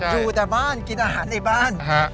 อยู่แต่บ้านกินอาหารในบ้าน